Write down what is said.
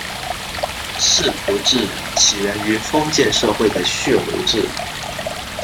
世仆制起源于封建社会的蓄奴制。